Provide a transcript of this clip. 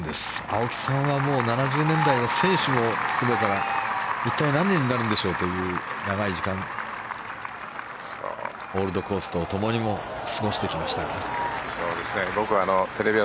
青木さんはもう７０年代の選手も含めたら一体何年になるんでしょうという長い時間オールドコースと過ごしてきましたが。